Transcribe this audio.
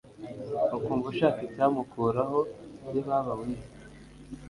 ukumva ushaka icyamukuraho, yebaba we